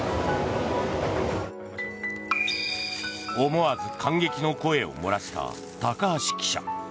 思わず感激の声を漏らした高橋記者。